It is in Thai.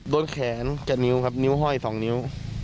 โดนแขนกับนิ้วครับนิ้วห้อย๒นิ้ว